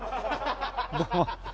どうも！